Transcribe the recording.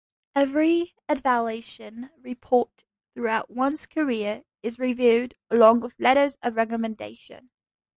Every evaluation report throughout one's career is reviewed, along with letters of recommendation.